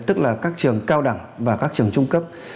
tức là các trường cao đẳng và các trường trung cấp